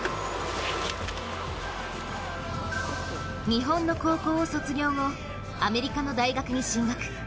日本の高校を卒業後、アメリカの大学に進学。